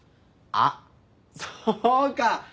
あっそうか。